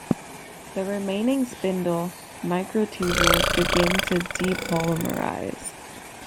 The remaining spindle microtubules begin to depolymerize.